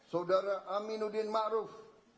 saudara aminuddin ma ruf